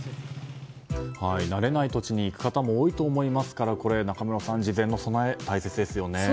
慣れない土地に行く方も多いと思いますから中室さん、事前の備え大切ですよね。